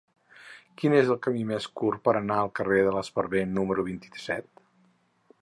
Quin és el camí més curt per anar al carrer de l'Esparver número vint-i-set?